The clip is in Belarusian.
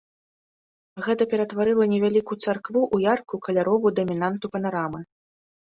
Гэта ператварыла невялікую царкву ў яркую каляровую дамінанту панарамы.